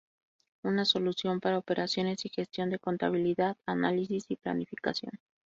Una solución para operaciones y gestión de contabilidad, análisis y planificación.